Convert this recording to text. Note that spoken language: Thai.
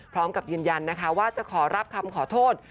พร้อมกับยืนยันนะคะว่าจะขอรับคำขอโทษ